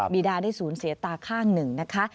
ีดาได้สูญเสียตาข้างหนึ่งนะคะ